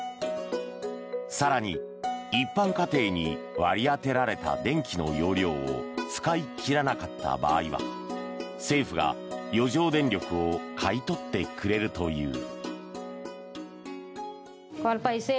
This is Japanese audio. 更に、一般家庭に割り当てられた電気の容量を使い切らなかった場合は政府が余剰電力を買い取ってくれるという。